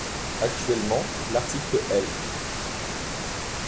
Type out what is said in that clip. Actuellement, l’article L.